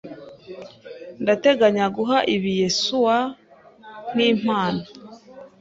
Ndateganya guha ibi Yesuwa nkimpano.